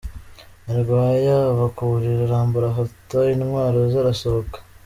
Nyarwaya ava ku buriri, arambara afata intwaro ze arasohoka.